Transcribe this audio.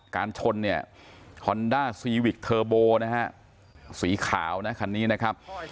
การชนเนี่ยฮอนด้าซีวิกเทอร์โบนะฮะสีขาวนะคันนี้นะครับ